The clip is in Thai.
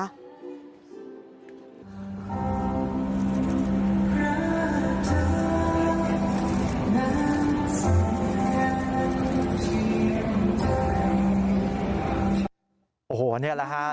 อันนี้ละครับ